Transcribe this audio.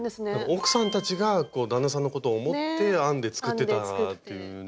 奥さんたちが旦那さんのことを思って編んで作ってたっていうね。